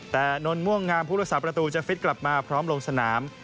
แต่น้นม่วงงามพุทธศาสตร์ประตูจะฟิตกลับมาพร้อมลงสนาม